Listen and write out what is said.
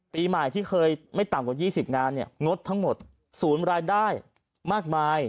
ปีใหม่ที่เคยไม่ต่ำกว่า๒๐งานเนี่ยงดทั้งหมดศูนย์รายได้มากมาย